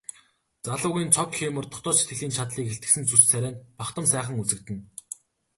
Залуугийн цог хийморь дотоод сэтгэлийн чадлыг илтгэсэн зүс царай нь бахдам сайхан үзэгдэнэ.